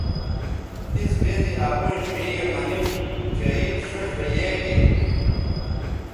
تِس بے زی اپیئں ڙھیئں یے مہ نِن چہء عید ݜیئݜ رے یے گے